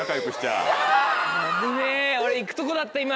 俺行くとこだった今。